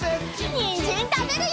にんじんたべるよ！